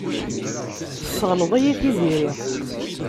Tesseɣleḍ-iyi Tiziri.